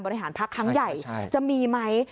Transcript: บริหารพักครั้งใหญ่จะมีไหม